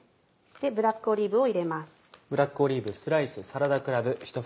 ブラックオリーブを入れます。